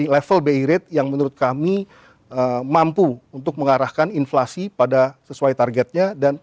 level bi rate yang menurut kami mampu untuk mengarahkan inflasi pada sesuai targetnya